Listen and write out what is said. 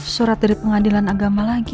surat dari pengadilan agama lagi